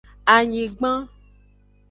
Anyigban.